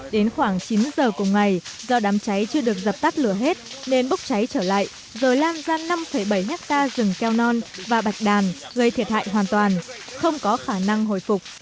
đến khoảng chín giờ cùng ngày do đám cháy chưa được dập tắt lửa hết nên bốc cháy trở lại rồi lan ra năm bảy hectare rừng keo non và bạch đàn gây thiệt hại hoàn toàn không có khả năng hồi phục